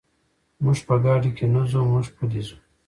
موږ په ګاډي کې نه ځو، موږ پلي ځو.